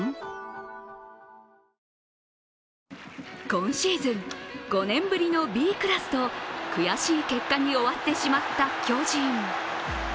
今シーズン、５年ぶりのＢクラスと悔しい結果に終わってしまった巨人。